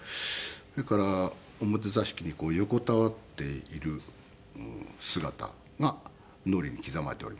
それから表座敷に横たわっている姿が脳裏に刻まれております。